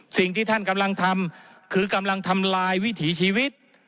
สิ่งที่ท่านกำลังทำคือกำลังทำลายวิถีชีวิต